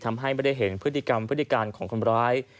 ทำให้ไม่ได้เห็นพฤติกรรมพฤติการของคนร้าย